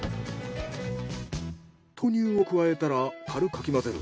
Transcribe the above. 豆乳を加えたら軽くかき混ぜる。